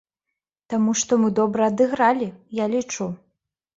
Таму што мы добра адыгралі, я лічу.